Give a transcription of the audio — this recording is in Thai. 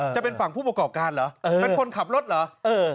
จะเป็นฝั่งผู้ประกอบการเหรอเป็นคนขับรถเหรอ